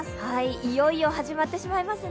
いよいよ始まってしまいますね。